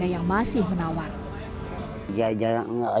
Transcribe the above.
sebagai warga yang masih menawar